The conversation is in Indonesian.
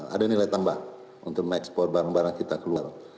ada nilai tambah untuk mengekspor barang barang kita keluar